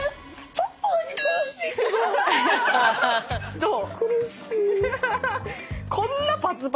どう？